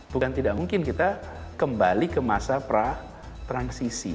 bukan tidak mungkin kita kembali ke masa pra transisi